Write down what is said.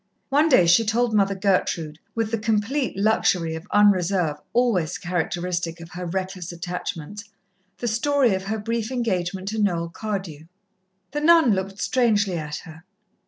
One day she told Mother Gertrude, with the complete luxury of unreserve always characteristic of her reckless attachments, the story of her brief engagement to Noel Cardew. The nun looked strangely at her.